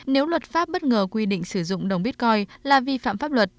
nếu luật pháp bất ngờ quy định sử dụng đồng bitcoin là vi phạm pháp luật